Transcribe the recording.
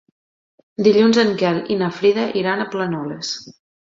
Dilluns en Quel i na Frida iran a Planoles.